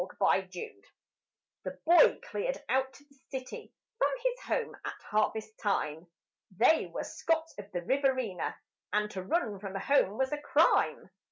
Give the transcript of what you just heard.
9 Autoplay The boy cleared out to the city from his home at harvest time They were Scots of the Riverina, and to run from home was a crime.